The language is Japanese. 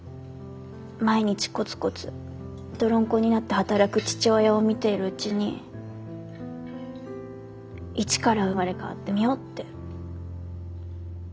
毎日コツコツ泥んこになって働く父親を見ているうちに一から生まれ変わってみようって。